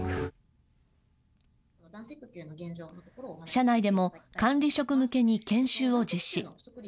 社内でも管理職向けに研修を実施。